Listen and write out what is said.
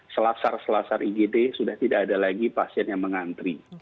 selasar selasar igd sudah tidak ada lagi pasien yang mengantri